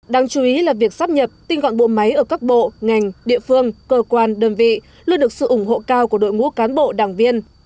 đáng chú ý là việc sắp nhập tinh gọn bộ máy ở các bộ ngành địa phương cơ quan đơn vị luôn được sự ủng hộ cao của đội ngũ cán bộ đảng viên